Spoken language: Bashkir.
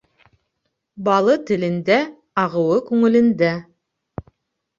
Балы телендә, ағыуы күңелендә.